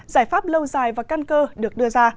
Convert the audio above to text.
giải pháp lâu dài và căn cơ được đưa ra